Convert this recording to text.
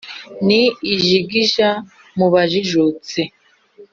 ni ijigija mu bajijutse